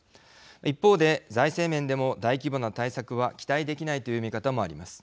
一方で、財政面でも大規模な対策は期待できないという見方もあります。